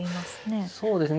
そうですね。